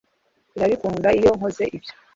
Irabikunda iyo nkoze ibyo